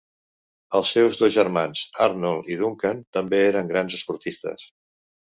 Els seus dos germans Arnold i Duncan també eren grans esportistes.